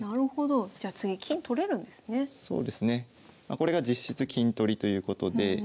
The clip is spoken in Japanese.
これが実質金取りということで。